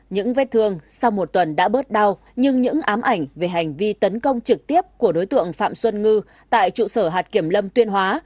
những vết thương sau một tuần đã bớt đau nhưng những ám ảnh về hành vi tấn công trực tiếp của đối tượng phạm xuân ngư tại trụ sở hạt kiểm lâm tuyên hóa